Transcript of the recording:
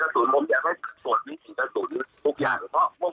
เพราะว่าวันน้องชายผมกับผมเนี่ย